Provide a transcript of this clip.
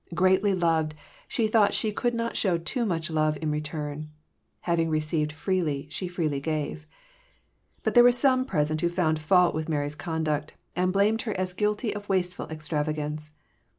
Greatly loved, she thought she could not show too much love in return. Having freely received, she freely gave. But there were some present who found fault with Mary's conduct, and blamed her as guilty of wasteful extravagance.